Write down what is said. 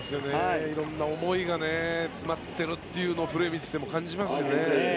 色んな思いが詰まっているというのをプレーを見ていても感じますよね。